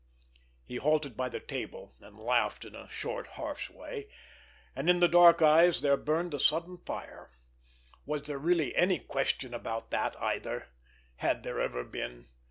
He halted by the table, and laughed in a short, harsh way, and in the dark eyes there burned a sudden fire. Was there really any question about that, either? Had there ever been!